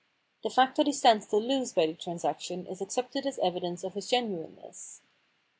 The fact that he stands to lose by the transaction is accepted as evidence of his genuineness.